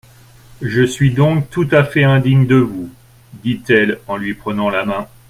Je suis donc tout à fait indigne de vous, dit-elle en lui prenant la main.